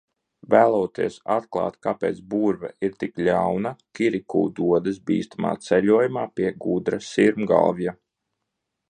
Vēloties atklāt, kāpēc burve ir tik ļauna, Kirikū dodas bīstamā ceļojumā pie gudra sirmgalvja.